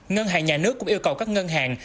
ngân hàng nhà nước cũng yêu cầu các ngân hàng